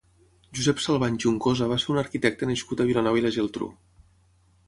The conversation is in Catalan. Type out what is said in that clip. Josep Salvany Juncosa va ser un arquitecte nascut a Vilanova i la Geltrú.